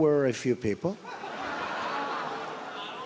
yang mana ada beberapa orang